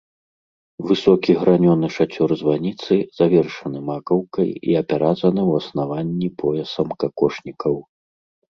Высокі гранёны шацёр званіцы завершаны макаўкай і апяразаны ў аснаванні поясам какошнікаў.